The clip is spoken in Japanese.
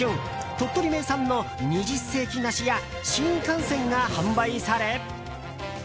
鳥取名産の二十世紀梨や新甘泉が販売され。